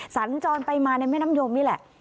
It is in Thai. สัญจรไปมาในแม่น้ำยมนี่แหละ